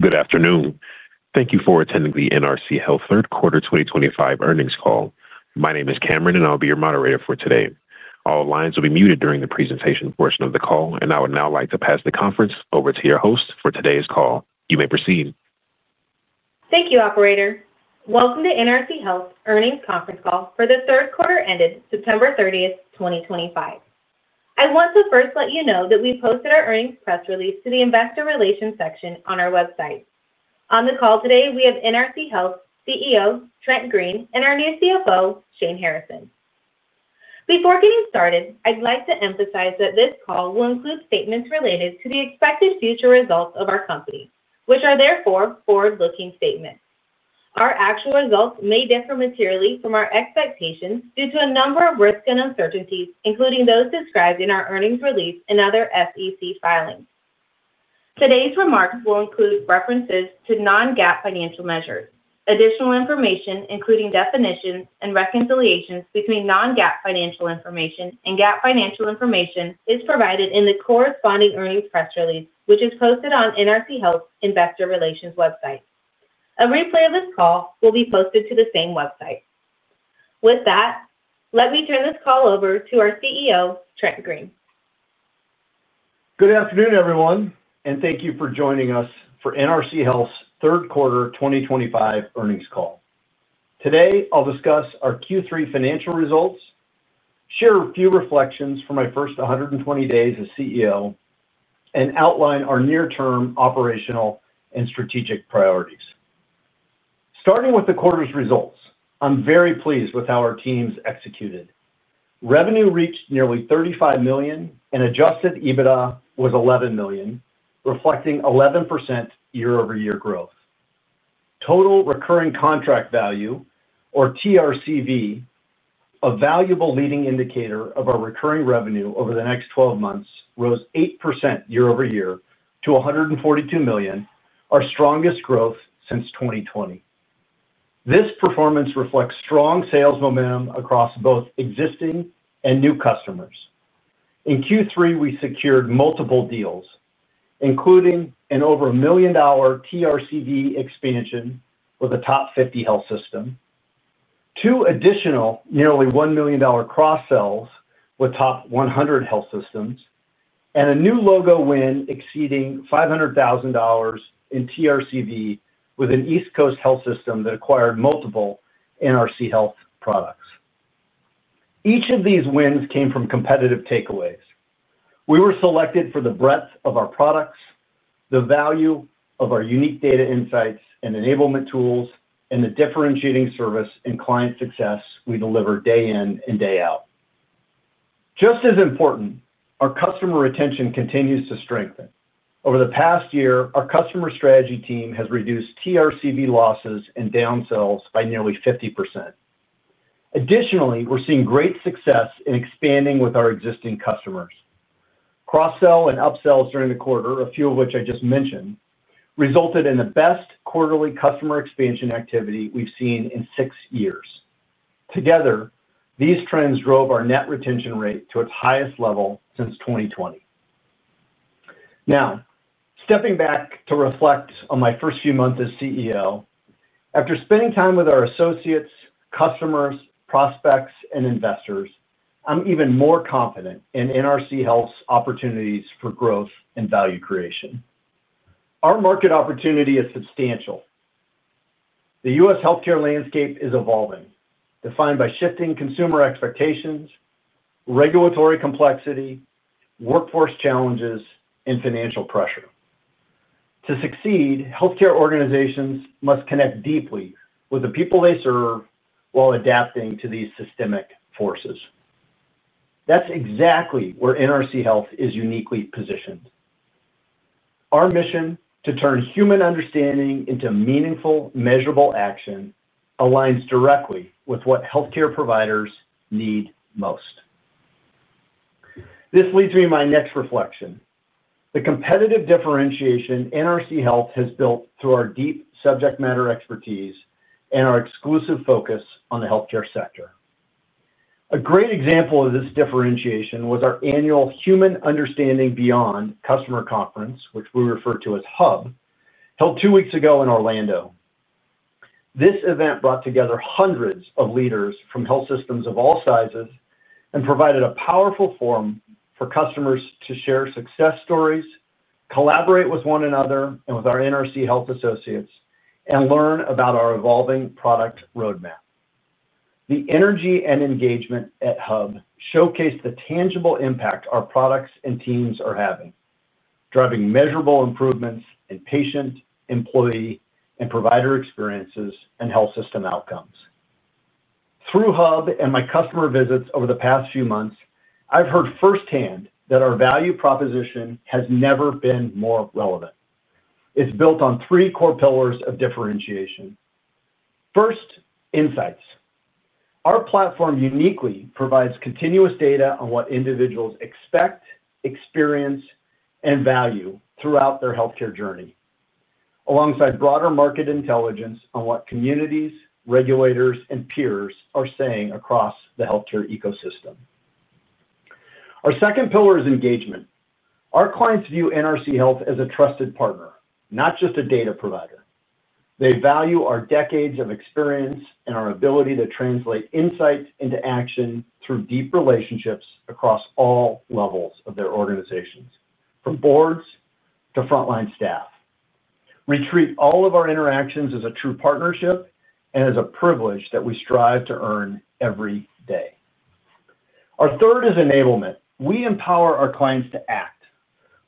Good afternoon. Thank you for attending the NRC Health third quarter 2025 earnings call. My name is Cameron, and I'll be your moderator for today. All lines will be muted during the presentation portion of the call, and I would now like to pass the conference over to your host for today's call. You may proceed. Thank you, operator. Welcome to NRC Health's earnings conference call for the third quarter ended September 30th, 2025. I want to first let you know that we posted our earnings press release to the investor relations section on our website. On the call today, we have NRC Health CEO Trent Green and our new CFO, Shane Harrison. Before getting started, I'd like to emphasize that this call will include statements related to the expected future results of our company, which are therefore forward-looking statements. Our actual results may differ materially from our expectations due to a number of risks and uncertainties, including those described in our earnings release and other SEC filings. Today's remarks will include references to non-GAAP financial measures. Additional information, including definitions and reconciliations between non-GAAP financial information and GAAP financial information, is provided in the corresponding earnings press release, which is posted on NRC Health's investor relations website. A replay of this call will be posted to the same website. With that, let me turn this call over to our CEO, Trent Green. Good afternoon, everyone, and thank you for joining us for NRC Health's third quarter 2025 earnings call. Today, I'll discuss our Q3 financial results, share a few reflections from my first 120 days as CEO, and outline our near-term operational and strategic priorities. Starting with the quarter's results, I'm very pleased with how our teams executed. Revenue reached nearly $35 million and adjusted EBITDA was $11 million, reflecting 11% year-over-year growth. Total Recurring Contract Value, or TRCV, a valuable leading indicator of our recurring revenue over the next 12 months, rose 8% year-over-year to $142 million, our strongest growth since 2020. This performance reflects strong sales momentum across both existing and new customers. In Q3, we secured multiple deals, including an over $1 million TRCV expansion with a top 50 health system, two additional nearly $1 million cross-sells with top 100 health systems, and a new logo win exceeding $500,000 in TRCV with an East Coast health system that acquired multiple NRC Health products. Each of these wins came from competitive takeaways. We were selected for the breadth of our products, the value of our unique data insights and enablement tools, and the differentiating service and client success we deliver day in and day out. Just as important, our customer retention continues to strengthen. Over the past year, our customer strategy team has reduced TRCV losses and downsells by nearly 50%. Additionally, we're seeing great success in expanding with our existing customers. Cross-sell and upsells during the quarter, a few of which I just mentioned, resulted in the best quarterly customer expansion activity we've seen in six years. Together, these trends drove our net retention rate to its highest level since 2020. Now, stepping back to reflect on my first few months as CEO, after spending time with our associates, customers, prospects, and investors, I'm even more confident in NRC Health's opportunities for growth and value creation. Our market opportunity is substantial. The U.S. healthcare landscape is evolving, defined by shifting consumer expectations, regulatory complexity, workforce challenges, and financial pressure. To succeed, healthcare organizations must connect deeply with the people they serve while adapting to these systemic forces. That's exactly where NRC Health is uniquely positioned. Our mission to turn human understanding into meaningful, measurable action aligns directly with what healthcare providers need most. This leads me to my next reflection. The competitive differentiation NRC Health has built through our deep subject matter expertise and our exclusive focus on the healthcare sector. A great example of this differentiation was our annual Human Understanding Beyond Customer Conference, which we refer to as HUB, held two weeks ago in Orlando. This event brought together hundreds of leaders from health systems of all sizes and provided a powerful forum for customers to share success stories, collaborate with one another and with our NRC Health associates, and learn about our evolving product roadmap. The energy and engagement at HUB showcased the tangible impact our products and teams are having, driving measurable improvements in patient, employee, and provider experiences and health system outcomes. Through HUB and my customer visits over the past few months, I've heard firsthand that our value proposition has never been more relevant. It's built on three core pillars of differentiation. First, insights. Our platform uniquely provides continuous data on what individuals expect, experience, and value throughout their healthcare journey, alongside broader market intelligence on what communities, regulators, and peers are saying across the healthcare ecosystem. Our second pillar is engagement. Our clients view NRC Health as a trusted partner, not just a data provider. They value our decades of experience and our ability to translate insight into action through deep relationships across all levels of their organizations, from boards to frontline staff. We treat all of our interactions as a true partnership and as a privilege that we strive to earn every day. Our third is enablement. We empower our clients to act,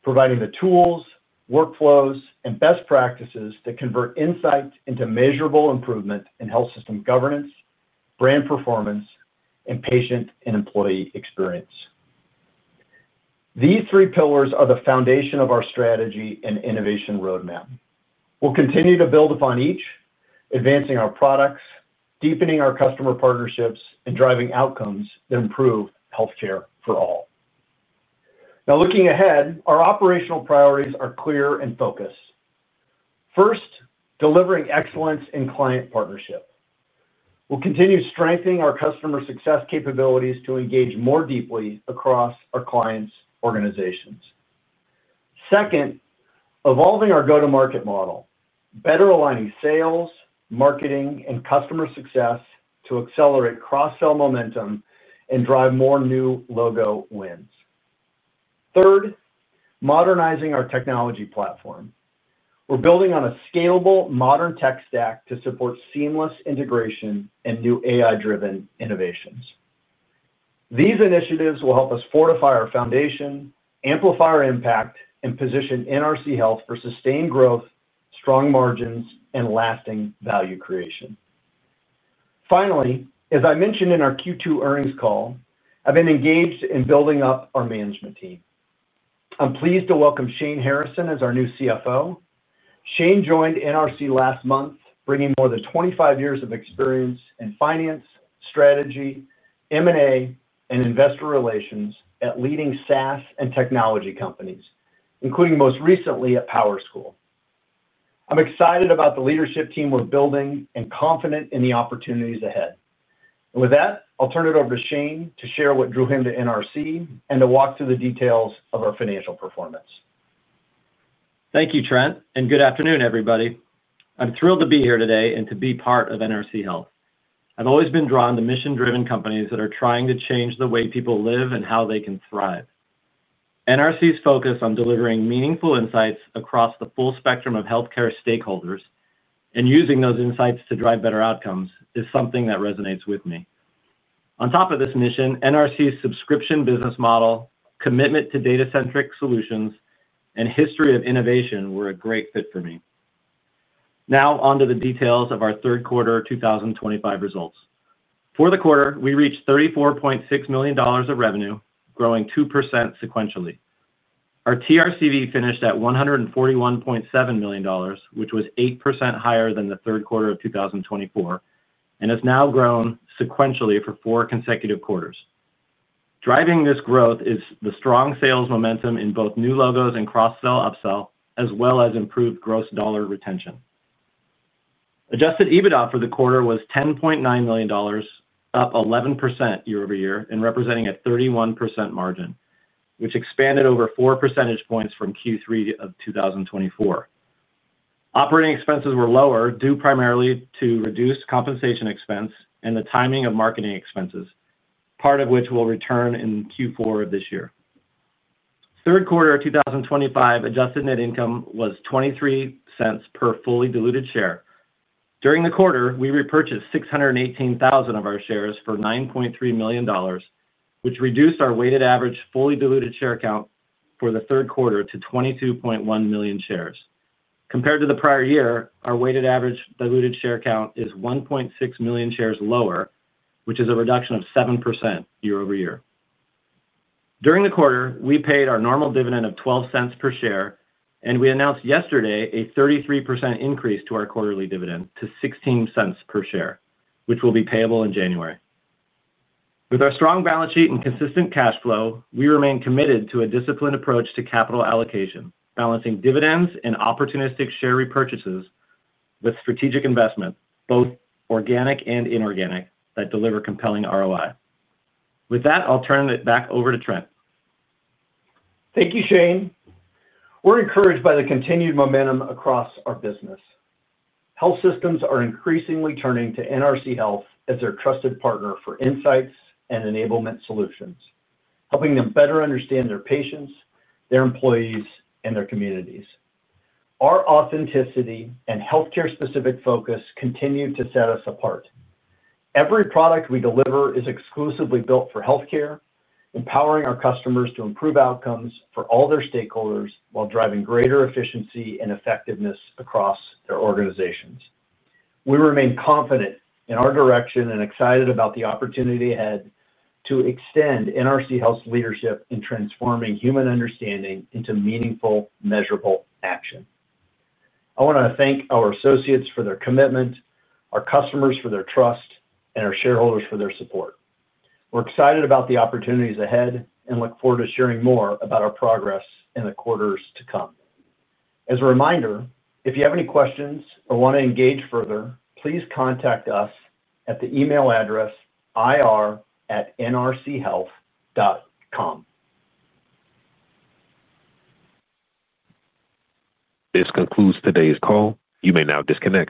providing the tools, workflows, and best practices that convert insight into measurable improvement in health system governance, brand performance, and patient and employee experience. These three pillars are the foundation of our strategy and innovation roadmap. We'll continue to build upon each, advancing our products, deepening our customer partnerships, and driving outcomes that improve healthcare for all. Now, looking ahead, our operational priorities are clear and focused. First, delivering excellence in client partnership. We'll continue strengthening our customer success capabilities to engage more deeply across our clients' organizations. Second, evolving our go-to-market model, better aligning sales, marketing, and customer success to accelerate cross-sell momentum and drive more new logo wins. Third, modernizing our technology platform. We're building on a scalable, modern tech stack to support seamless integration and new AI-driven innovations. These initiatives will help us fortify our foundation, amplify our impact, and position NRC Health for sustained growth, strong margins, and lasting value creation. Finally, as I mentioned in our Q2 earnings call, I've been engaged in building up our management team. I'm pleased to welcome Shane Harrison as our new CFO. Shane joined NRC last month, bringing more than 25 years of experience in finance, strategy, M&A, and investor relations at leading SaaS and technology companies, including most recently at PowerSchool. I'm excited about the leadership team we're building and confident in the opportunities ahead. With that, I'll turn it over to Shane to share what drew him to NRC and to walk through the details of our financial performance. Thank you, Trent, and good afternoon, everybody. I'm thrilled to be here today and to be part of NRC Health. I've always been drawn to mission-driven companies that are trying to change the way people live and how they can thrive. NRC's focus on delivering meaningful insights across the full spectrum of healthcare stakeholders and using those insights to drive better outcomes is something that resonates with me. On top of this mission, NRC's subscription business model, commitment to data-centric solutions, and history of innovation were a great fit for me. Now, on to the details of our third quarter 2025 results. For the quarter, we reached $34.6 million of revenue, growing 2% sequentially. Our TRCV finished at $141.7 million, which was 8% higher than the third quarter of 2024, and has now grown sequentially for four consecutive quarters. Driving this growth is the strong sales momentum in both new logos and cross-sell/upsell, as well as improved gross dollar retention. Adjusted EBITDA for the quarter was $10.9 million, up 11% year-over-year and representing a 31% margin, which expanded over four percentage points from Q3 of 2024. Operating expenses were lower, due primarily to reduced compensation expense and the timing of marketing expenses, part of which will return in Q4 of this year. Third quarter 2025 adjusted net income was $0.23 per fully diluted share. During the quarter, we repurchased 618,000 of our shares for $9.3 million, which reduced our weighted average fully diluted share count for the third quarter to 22.1 million shares. Compared to the prior year, our weighted average diluted share count is 1.6 million shares lower, which is a reduction of 7% year-over-year. During the quarter, we paid our normal dividend of $0.12 per share, and we announced yesterday a 33% increase to our quarterly dividend to $0.16 per share, which will be payable in January. With our strong balance sheet and consistent cash flow, we remain committed to a disciplined approach to capital allocation, balancing dividends and opportunistic share repurchases with strategic investments, both organic and inorganic, that deliver compelling ROI. With that, I'll turn it back over to Trent. Thank you, Shane. We're encouraged by the continued momentum across our business. Health systems are increasingly turning to NRC Health as their trusted partner for insights and enablement solutions, helping them better understand their patients, their employees, and their communities. Our authenticity and healthcare-specific focus continue to set us apart. Every product we deliver is exclusively built for healthcare, empowering our customers to improve outcomes for all their stakeholders while driving greater efficiency and effectiveness across their organizations. We remain confident in our direction and excited about the opportunity ahead to extend NRC Health's leadership in transforming human understanding into meaningful, measurable action. I want to thank our associates for their commitment, our customers for their trust, and our shareholders for their support. We're excited about the opportunities ahead and look forward to sharing more about our progress in the quarters to come. As a reminder, if you have any questions or want to engage further, please contact us at the email address ir@nrchealth.com. This concludes today's call. You may now disconnect.